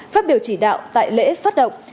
phát biểu chỉ đạo tại lễ phát động